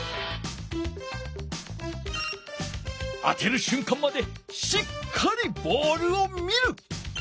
当てる瞬間までしっかりボールを見る！